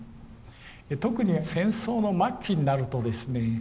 特に戦争の末期になるとですね